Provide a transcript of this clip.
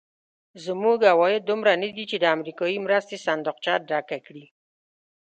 زموږ عواید دومره ندي چې د امریکایي مرستې صندوقچه ډکه کړي.